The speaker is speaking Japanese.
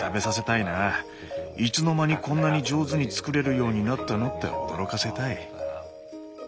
「いつの間にこんなに上手に作れるようになったの？」って驚かせたい。